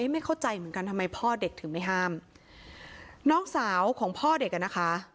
ไม่เข้าใจเหมือนกันทำไมพ่อเด็กถึงไม่ห้ามน้องสาวของพ่อเด็กอ่ะนะคะ